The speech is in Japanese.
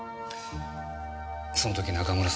その時中村さん